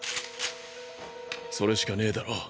それしかねぇだろ？